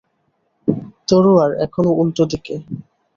তরোয়ার এখনো উল্টোদিকে।